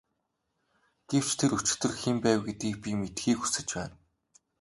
Гэвч тэр өчигдөр хэн байв гэдгийг би мэдэхийг хүсэж байна.